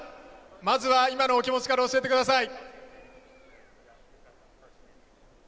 まずは今のお気持ちから教えてください。